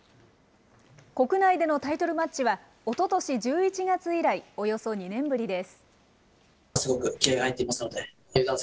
国内でのタイトルマッチは、おととし１１月以来、およそ２年ぶりです。